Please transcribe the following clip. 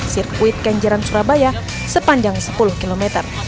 sirkuit kenjeran surabaya sepanjang sepuluh km